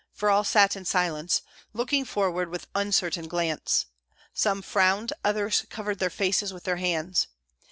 For all sat in silence, looking forward with uncertain glance. Some frowned; others covered their faces with their hands.